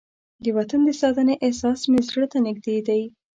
د وطن د ساتنې احساس مې زړه ته نږدې دی.